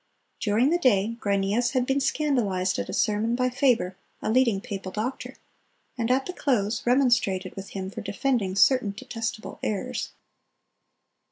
" During the day, Grynæus had been scandalized at a sermon by Faber, a leading papal doctor; and at the close, remonstrated with him for defending "certain detestable errors."